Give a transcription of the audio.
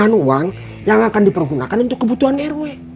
kamu tidak berkaku nahan uang yang akan dipergunakan untuk kebutuhan rw